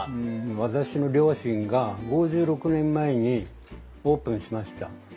私の両親が５６年前にオープンしました。